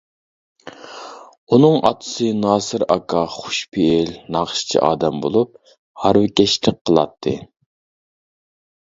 ئۇنىڭ ئاتىسى ناسىر ئاكا خۇش پېئىل، ناخشىچى ئادەم بولۇپ، ھارۋىكەشلىك قىلاتتى.